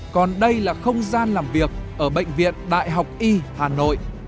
còn đây là không gian làm việc ở bệnh viện đại học y hà nội